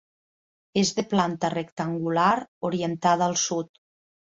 És de planta rectangular orientada al Sud.